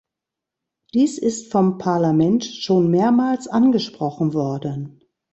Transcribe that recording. Dies ist vom Parlament schon mehrmals angesprochen worden.